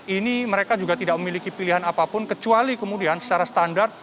ini mereka juga tidak memiliki pilihan apapun kecuali kemudian secara standar